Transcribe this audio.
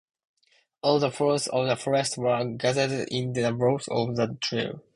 All the fowls of the forest were gathered in the boughs of that tree.